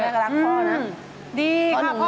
แม่ก็รักพ่อนะ